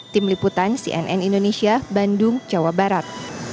tim liputan cnn indonesia bandung jawa barat